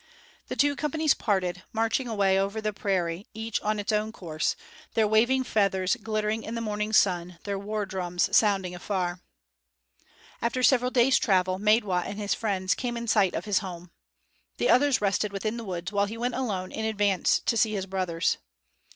The two companies parted, marching away over the prairie, each on its own course, their waving feathers glittering in the morning sun, their war drums sounding afar. After several days' travel, Maidwa and his friends came in sight of his home. The others rested within the woods while he went alone in advance to see his brothers.